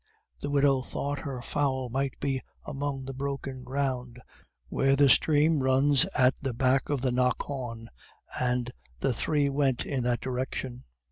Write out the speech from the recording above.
The widow thought her fowl might be among the broken ground, where the stream runs at the back of the Knockawn, and the three went in that direction.